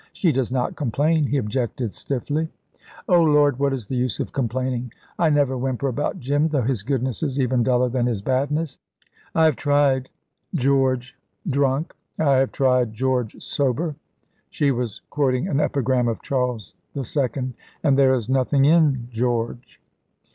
"She does not complain," he objected stiffly. "Oh, Lord, what is the use of complaining! I never whimper about Jim, though his goodness is even duller than his badness. 'I have tried George drunk, I have tried George sober'" she was quoting an epigram of Charles II. "'and there is nothing in George.'"